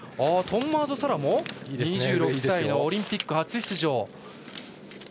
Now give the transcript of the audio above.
トンマーゾ・サラも２６歳のオリンピック初出場。